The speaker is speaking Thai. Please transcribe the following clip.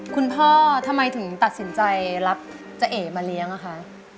คุณพ่อทำไมถึงตัดสินใจรับเจ๊เอ๋มาเลี้ยงอะคะ